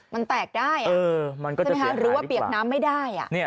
มันแตกได้เออมันก็จะเปียกน้ำรู้ว่าเปียกน้ำไม่ได้นี่